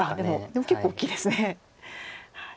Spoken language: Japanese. でも結構大きいですね。